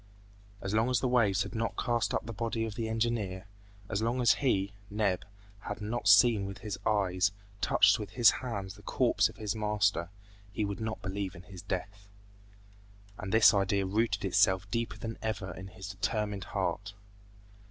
As long as the waves had not cast up the body of the engineer, as long as he, Neb, had not seen with his eyes, touched with his hands the corpse of his master, he would not believe in his death! And this idea rooted itself deeper than ever in his determined heart.